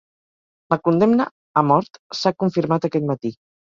La condemna a mort s'ha confirmat aquest matí